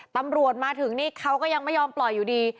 ตำรวจมาถึงนี่เขาก็ยังไม่ยอมปล่อยอยู่ดี